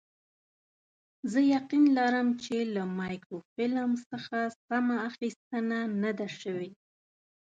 زه یقین لرم چې له مایکروفیلم څخه سمه اخیستنه نه ده شوې.